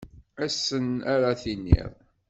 Ass-n ara tiniḍ.